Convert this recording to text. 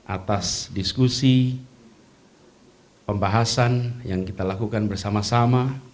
atas diskusi pembahasan yang kita lakukan bersama sama